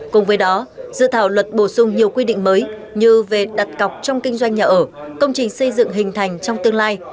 cùng với đó dự thảo luật bổ sung nhiều quy định mới như về đặt cọc trong kinh doanh nhà ở công trình xây dựng hình thành trong tương lai